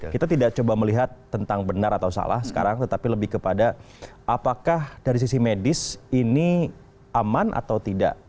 kita tidak coba melihat tentang benar atau salah sekarang tetapi lebih kepada apakah dari sisi medis ini aman atau tidak